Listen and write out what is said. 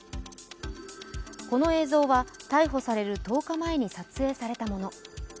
この映像は、逮捕される１０日前に撮影されたもの。